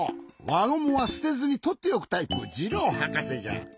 わごむはすてずにとっておくタイプジローはかせじゃ。